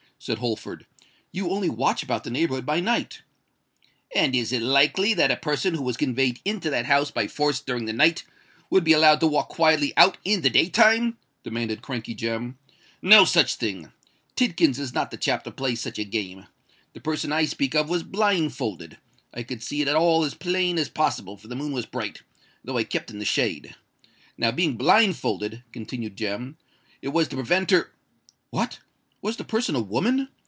said Holford. "You only watch about the neighbourhood by night." "And is it likely that a person who was conveyed into that house by force during the night, would be allowed to walk quietly out in the day time?" demanded Crankey Jem. "No such thing! Tidkins is not the chap to play such a game. The person I speak of was blindfolded—I could see it all as plain as possible, for the moon was bright, though I kept in the shade. Now, being blindfolded," continued Jem, "it was to prevent her——" "What? was the person a woman?"